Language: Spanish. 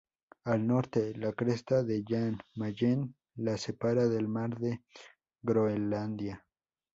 Al norte, la cresta de Jan Mayen la separa del mar de Groenlandia.